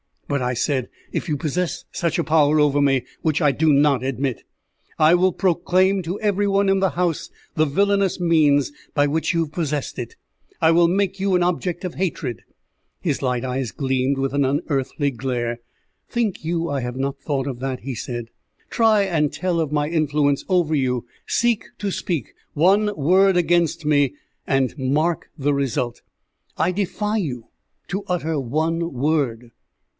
"But," I said, "if you possess such a power over me, which I do not admit, I will proclaim to every one in the house the villainous means by which you have possessed it. I will make you an object of hatred." His light eyes gleamed with an unearthly glare. "Think you I have not thought of that?" he said. "Try and tell of my influence over you, seek to speak one word against me, and mark the result. I defy you to utter one word."